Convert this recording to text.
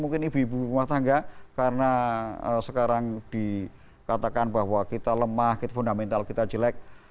mungkin ibu ibu rumah tangga karena sekarang dikatakan bahwa kita lemah fundamental kita jelek